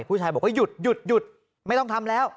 ผู้ชายบอกว่าหยุดหยุดไม่ต้องทำแล้ว